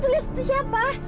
itu lihat itu siapa